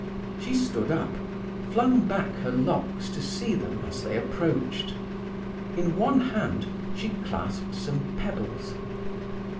She stood up, flung back her locks to see them as they approached. In one hand she clasped some pebbles.